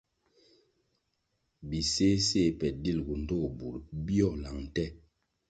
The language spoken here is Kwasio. Biséséh pe dilgu ndtoh bur bíőh lang nte.